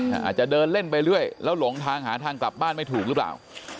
อาจจะเดินเล่นไปเรื่อยแล้วหลงทางหาทางกลับบ้านไม่ถูกหรือเปล่า